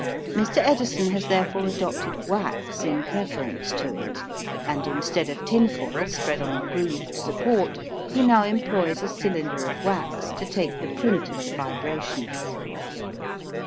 Mr. Edison has therefore adopted wax in preference to it; and instead of tinfoil spread on a grooved support, he now employs a cylinder of wax to take the print of the vibrations.